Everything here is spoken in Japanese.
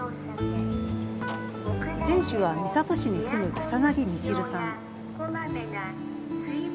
店主は三郷市に住む草薙みちるさん。